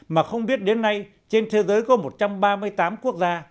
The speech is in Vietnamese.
mà không biết đến nay trên thế giới có một trăm ba mươi tám quốc gia